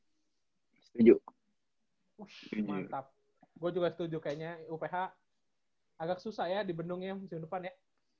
gue juga setuju kayaknya uph agak susah ya di bendung ya musim depan ya